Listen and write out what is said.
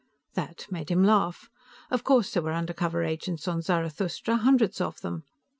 That made him laugh. Of course there were undercover agents on Zarathustra, hundreds of them.